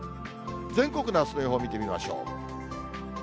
全国のあすの予報見てみましょう。